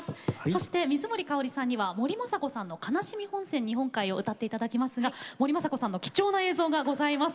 そして水森かおりさんには森昌子さんの「哀しみ本線日本海」を歌って頂きますが森昌子さんの貴重な映像がございます。